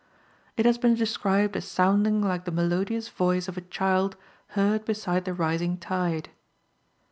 It has been described as sounding like the melodious voice of a child heard beside the rising tide.